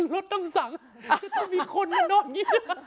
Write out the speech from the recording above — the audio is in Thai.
รถตั้งสังอ้าวต้องมีคนมานอนอย่างนี้